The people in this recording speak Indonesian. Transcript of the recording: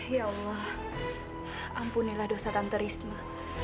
ya allah ampunilah dosa tante risma